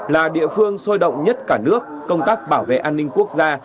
là địa phương sôi động nhất cả nước công tác bảo vệ an ninh quốc gia